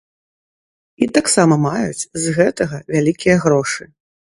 І таксама маюць з гэтага вялікія грошы.